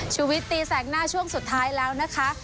ชีวิตตีแสกหน้าช่วงสุดท้ายแล้วนะคะ